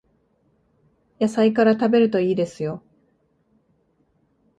野菜から食べるといいですよ